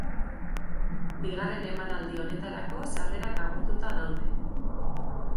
Bigarren emanaldi honetarako sarrerak agortuta daude.